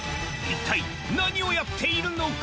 祕貘何をやっているのか？